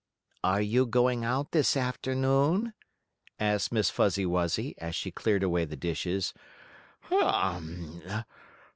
"Are you going out this afternoon?" asked Miss Fuzzy Wuzzy, as she cleared away the dishes. "Hum!